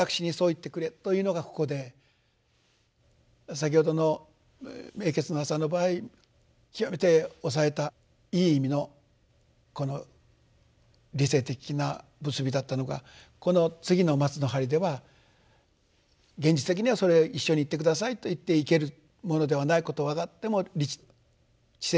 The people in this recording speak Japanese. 先ほどの「永訣の朝」の場合極めて抑えたいい意味のこの理性的な結びだったのがこの次の「松の針」では現実的にはそれ一緒に行って下さいと言って行けるものではないことは分かっても知性的には。